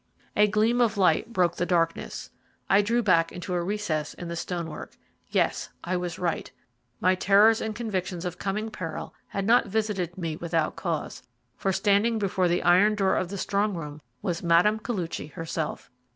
A gleam of light broke the darkness. I drew back into a recess in the stonework. Yes, I was right. My terrors and convictions of coming peril had not visited me without cause, for standing before the iron door of the strong room was Mme. Koluchy herself.